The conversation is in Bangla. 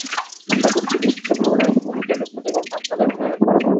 আশা করছি, বিচিত্র ভাবনার, বহুমুখী এসব খুদে গল্প আপনাদের ভালো লাগবে।